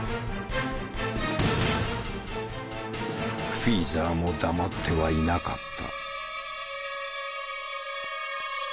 フィーザーも黙ってはいなかった。